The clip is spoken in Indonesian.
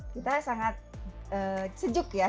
kita sangat sejuk ya